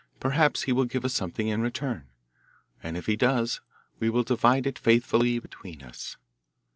Perhaps he will give us something in return, and if he does we will divide it faithfully between us.